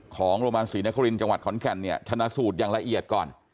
ของโรงพยาบาลศรีนครินทร์จังหวัดขอนแก่นเนี่ยชนะสูตรอย่างละเอียดก่อน